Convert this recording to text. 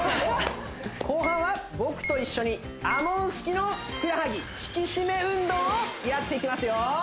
後半は僕と一緒にＡＭＯＮ式のふくらはぎ引き締め運動をやっていきますよ